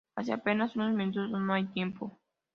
hace apenas unos minutos. no hay tiempo.